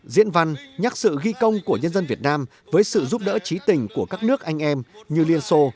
diễn văn nhắc sự ghi công của nhân dân việt nam với sự giúp đỡ trí tình của các nước anh em như liên xô